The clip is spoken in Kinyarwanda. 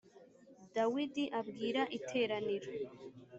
dawidi abwira iteraniro